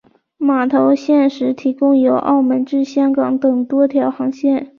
码头现时提供由澳门至香港等多条航线。